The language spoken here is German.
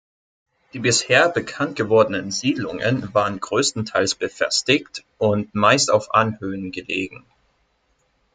Die bisher bekannt gewordenen Siedlungen waren größtenteils befestigt und meist auf Anhöhen gelegen.